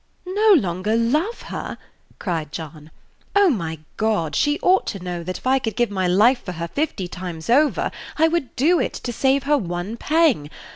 "No longer love her!" cried John. "O my God! she ought to know that, if I could give my life for her fifty times over, I would do it, to save her one pang.